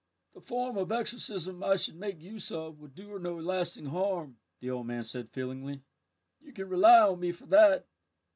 "The form of exorcism I should make use of would do her no lasting harm," the old man said feelingly; "you can rely on me for that."